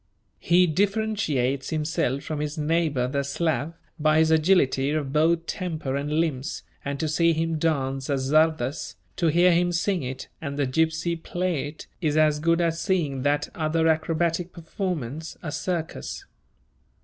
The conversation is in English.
He differentiates himself from his neighbour the Slav by his agility of both temper and limbs, and to see him dance a czardas, to hear him sing it and the gypsy play it, is as good as seeing that other acrobatic performance, a circus.